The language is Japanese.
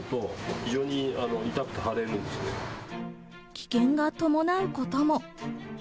危険が伴うことも。